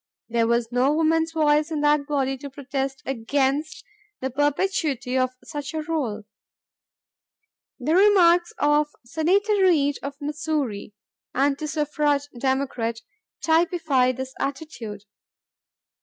There was no woman's voice in that body to protest against the perpetuity of such a rôle. The remarks of Senator Reed of Missouri, anti suffrage Democrat, typify this attitude. "..